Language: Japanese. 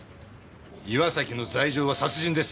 岩崎の罪状は殺人です。